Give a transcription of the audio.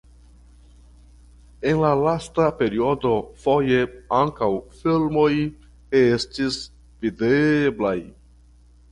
En la lasta periodo foje ankaŭ filmoj estis videblaj.